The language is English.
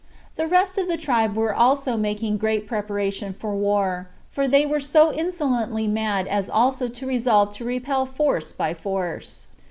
The rest of their tribe were also making great preparation for war, for they were so insolently mad as also to resolve to repel force by force.